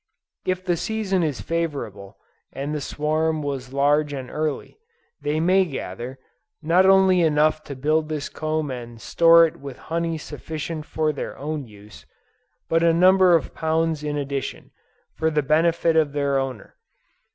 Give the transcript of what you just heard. If the season is favorable, and the swarm was large and early, they may gather, not only enough to build this comb and to store it with honey sufficient for their own use, but a number of pounds in addition, for the benefit of their owner.